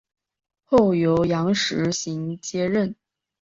后由杨时行接任。